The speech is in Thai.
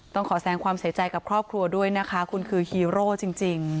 ต้องขอแสงความเสียใจกับครอบครัวด้วยนะคะคุณคือฮีโร่จริง